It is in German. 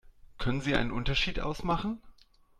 Können Sie einen Unterschied ausmachen?